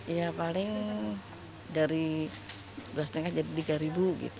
ya paling dari rp satu lima ratus hingga rp tiga